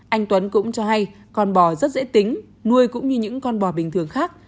anh tuấn cũng cho hay con bò rất dễ tính nuôi cũng như những con bò bình thường khác